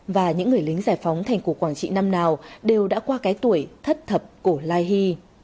và những người lính giải phóng thành cổ quảng trị năm nào đều đã qua cái tuổi thất thập cổ lai hy